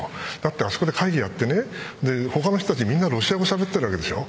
あそこで会議やって他の人たちロシア語しゃべっているわけでしょ。